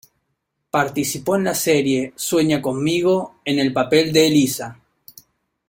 Participó en la serie "Sueña conmigo", en el papel de Elisa.